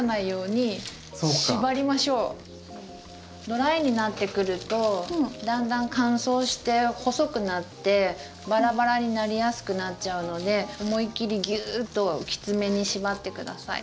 ドライになってくるとだんだん乾燥して細くなってバラバラになりやすくなっちゃうので思いっ切りギューッときつめに縛って下さい。